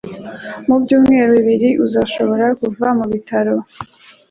Mu byumweru bibiri uzashobora kuva mubitaro